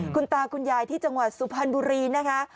คุณตาคุณยายที่จังหวัดสุพรรณบุรีนะคะ